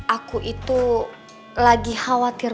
aku itu lagi khawatir